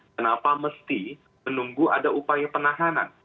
kenapa mesti menunggu ada upaya penahanan